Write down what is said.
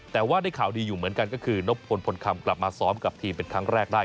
แต่ว่าได้ข่าวดีอยู่เหมือนกันก็คือนบพลพลคำกลับมาซ้อมกับทีมเป็นครั้งแรกได้